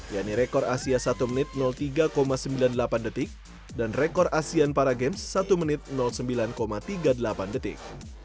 yaitu rekor asia satu menit tiga sembilan puluh delapan detik dan rekor asean para games satu menit sembilan tiga puluh delapan detik